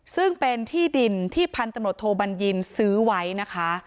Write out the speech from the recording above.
ซึ่งเป็นที่ดินที่พันตำรวจโทบัญญินซื้อไว้นะคะ